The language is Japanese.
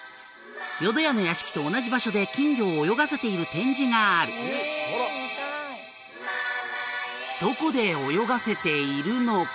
淀屋の屋敷と同じ場所で金魚を泳がせている展示があるどこで泳がせているのか？